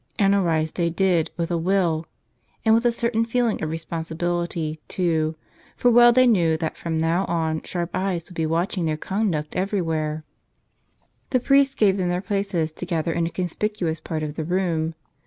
And arise they did with a will — and with a certain feeling of responsibility, too; for well they knew that from now on sharp eyes would be watching their conduct everywhere. The priest gave them their places together in a conspicuous part of the room.